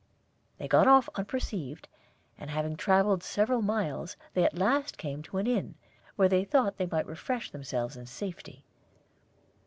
They got off unperceived, and having travelled several miles, they at last came to an inn, where they thought they might refresh themselves in safety.